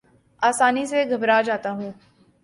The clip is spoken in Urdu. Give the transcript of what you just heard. آسانی سے گھبرا جاتا ہوں